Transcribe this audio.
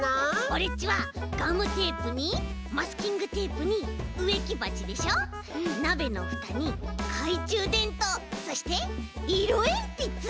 オレっちはガムテープにマスキングテープにうえきばちでしょなべのふたにかいちゅうでんとうそしていろえんぴつ！